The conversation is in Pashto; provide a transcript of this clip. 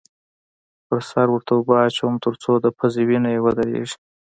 پر سر ورته اوبه اچوم؛ تر څو د پوزې وینه یې ودرېږې.